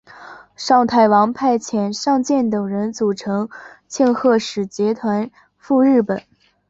尚泰王派遣尚健等人组成庆贺使节团赴日本。